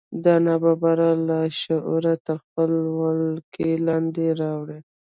دا ناببره لاشعور تر خپلې ولکې لاندې راولي